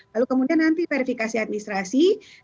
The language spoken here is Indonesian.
lalu kemudian nanti verifikasi administrasi